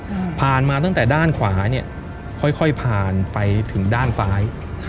อืมผ่านมาตั้งแต่ด้านขวาเนี้ยค่อยค่อยผ่านไปถึงด้านซ้ายค่ะ